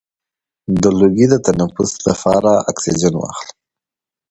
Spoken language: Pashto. د لوګي د تنفس لپاره اکسیجن واخلئ